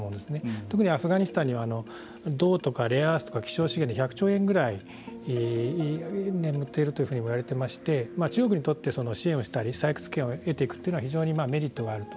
特にアフガニスタンには銅とかレアアースとか希少資源で１００兆円ぐらい眠っているというふうに言われていまして中国にとって支援をしたり採掘権を得たりしていくというのは非常にメリットがあると。